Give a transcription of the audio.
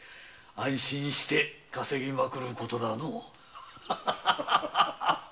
安心して稼ぎまくることだの。